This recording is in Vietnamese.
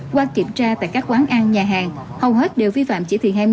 qua kiểm tra tại các quán ăn nhà hàng hầu hết đều vi phạm chỉ thị hai mươi